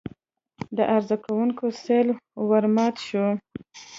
د عریضه کوونکو سېل ورمات شو.